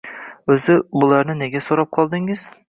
O`zi, bularni nega so`rab qoldingiz